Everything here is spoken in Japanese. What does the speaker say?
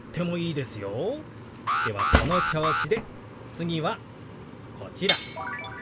ではその調子で次はこちら。